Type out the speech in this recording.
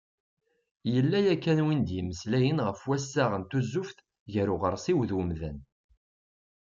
Yella yakan win d-yemmeslayen ɣef wassaɣ n tuzuft gar uɣersiw d umdan.